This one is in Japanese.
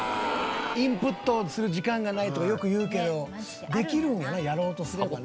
インプットする時間がないとかよく言うけどできるんよねやろうとすればね。